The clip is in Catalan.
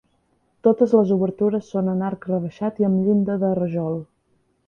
Totes les obertures són en arc rebaixat i amb llinda de rajol.